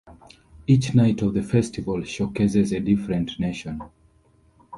Each night of the festival showcases a different nation.